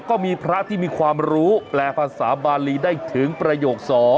ก็มีพระที่มีความรู้แปลภาษาบาลีได้ถึงประโยค๒